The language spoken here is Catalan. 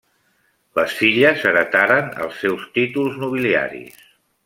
Les filles heretaren els seus títols nobiliaris.